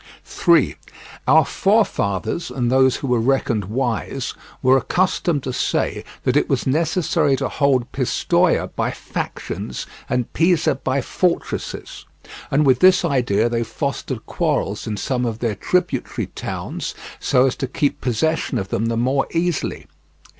3. Our forefathers, and those who were reckoned wise, were accustomed to say that it was necessary to hold Pistoia by factions and Pisa by fortresses; and with this idea they fostered quarrels in some of their tributary towns so as to keep possession of them the more easily.